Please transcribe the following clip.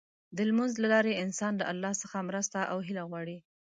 د لمونځ له لارې انسان له الله څخه مرسته او هيله غواړي.